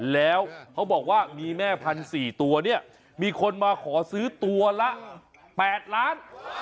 แล้วเขาบอกว่ามีแม่พันธุ์๔ตัวเนี่ยมีคนมาขอซื้อตัวละ๘ล้าน